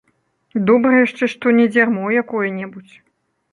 Добра яшчэ, што не дзярмо якое-небудзь.